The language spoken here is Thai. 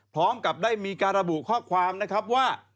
พร้อมกับได้มีการระบุข้อความนะครับว่า